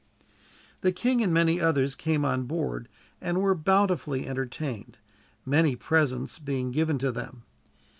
The king and many others came on board, and were bountifully entertained, many presents being given to them.